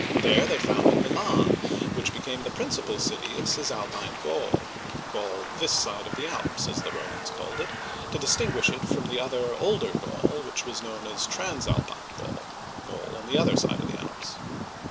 There they founded Mil'an, which be came the principal city of Cisal'pine Gaul (" Gaul this side of the Alps"), as the Romans called it, to distinguish it from the other, older Gaul, which was known as Transal pine Gaul (" Gaul on the other side of the Alps").